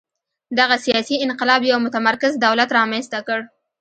دغه سیاسي انقلاب یو متمرکز دولت رامنځته کړ.